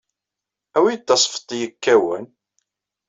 Awey-iyi-d tasfeḍt yekkawen.